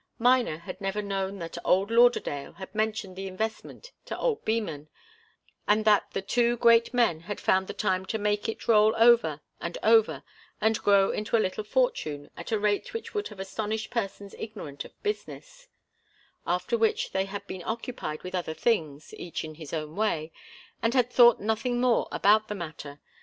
Miner had never known that old Lauderdale had mentioned the investment to old Beman, and that the two great men had found the time to make it roll over and over and grow into a little fortune at a rate which would have astonished persons ignorant of business after which they had been occupied with other things, each in his own way, and had thought nothing more about the matter.